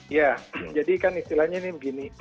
ya jadi kan istilahnya ini begini